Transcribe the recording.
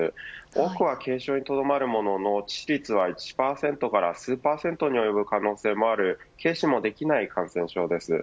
多くは軽症にとどまるものの致死率は１％から数％に及ぶ可能性がある軽視をできない感染症です。